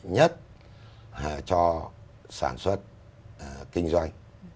nhất cho sản xuất kinh doanh